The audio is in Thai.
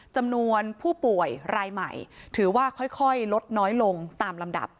จำนวนผู้ป่วยรายใหม่ถือว่าค่อยลดน้อยลงตามลำดับ